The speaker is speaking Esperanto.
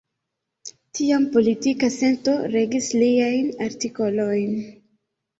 Tiam politika sento regis liajn artikolojn.